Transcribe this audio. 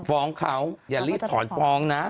ฟ้องเขาอย่ารีบถอนฟ้องนะ